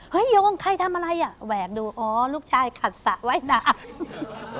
โยมใครทำอะไรอ่ะแหวกดูอ๋อลูกชายขัดสระว่ายน้ำ